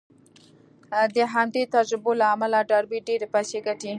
د همدې تجربو له امله ډاربي ډېرې پيسې ګټي.